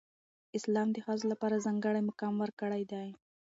اسلام د ښځو لپاره ځانګړی مقام ورکړی دی.